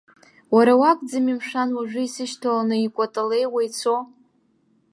Уара уакәӡами, мшәан, уажәы исышьҭаланы икәаталеиуа ицо?